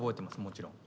もちろん。